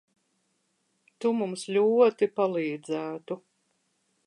Tu mums ļoti palīdzētu.